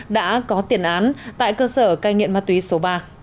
đã có tiền án tại cơ sở cai nghiện ma túy số ba